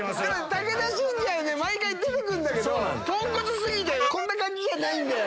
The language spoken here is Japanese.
武田真治毎回出てくるんだけどポンコツ過ぎてこんな感じじゃないんだよ。